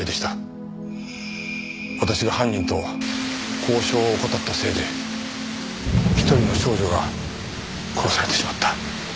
私が犯人と交渉を怠ったせいで１人の少女が殺されてしまった。